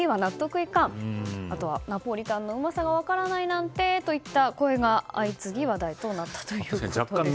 いかんあとは、ナポリタンのうまさが分からないなんてといった声が相次ぎ話題となったということです。